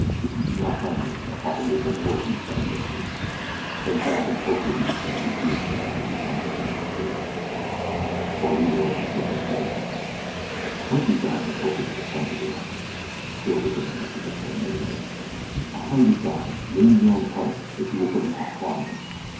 If you do not harm me my father will reward you fabulously. Ten thousand koku he would gladly give to have me returned to him safely." Oda Yorimoto but shook his head. "Twenty thousand koku!" cried the girl. Still the daimio shook his head negatively. "A hundred thousand name your own price, if you will but not harm me."